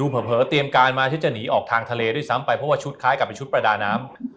เผลอเตรียมการมาที่จะหนีออกทางทะเลด้วยซ้ำไปเพราะว่าชุดคล้ายกับเป็นชุดประดาน้ำ